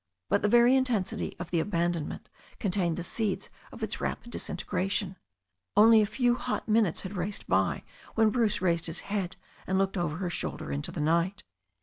But the very intensity of the abandonment contained the seeds of its rapid disintegration. Only a few hot minutes had raced by when Bruce raised his head and looked over THE STORY OF A NEW ZEALAND RIVER 195 her shoulder into the night.